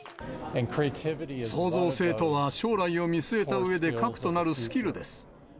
創造性とは、将来を見据えたうえで核となるスキルです。